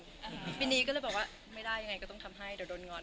ตอนนี้ก็เลยบอกว่าไม่ได้อย่างไรก็ทำให้เดี๋ยวโดนงอน